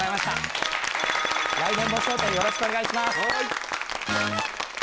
来年も笑点、よろしくお願いします。